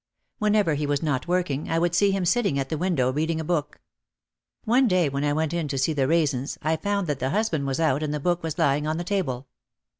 Whenever he was not working I would see him sitting at the window read ing a book. One day when I went in to see the Raisens I found that the husband was out and the book was lying on the table.